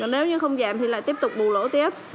nếu như không giảm thì lại tiếp tục bù lỗ tiếp